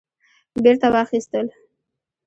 بیرته واخیستل